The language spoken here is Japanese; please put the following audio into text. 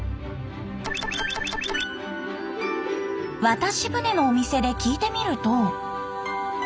渡し船のお店で聞いてみると。